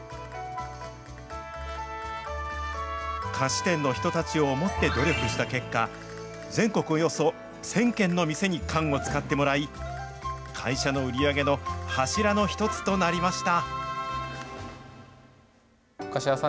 菓子店の人たちを想って努力した結果、全国およそ１０００軒の店に缶を使ってもらい、会社の売り上げの柱の一つとなりました。